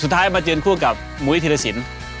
สุดท้ายจะมายืนคู่กับหมุยธีรศิลป์